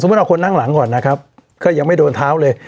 เอาคนนั่งหลังก่อนนะครับก็ยังไม่โดนเท้าเลย